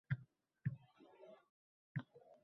ij